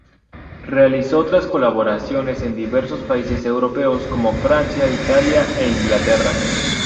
Realizó otras colaboraciones en diversos países europeos, como Francia, Italia e Inglaterra.